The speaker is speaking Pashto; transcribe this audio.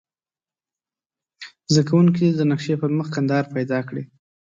زده کوونکي دې د نقشې پر مخ کندهار پیدا کړي.